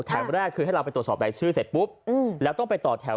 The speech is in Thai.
แรกคือให้เราไปตรวจสอบรายชื่อเสร็จปุ๊บแล้วต้องไปต่อแถว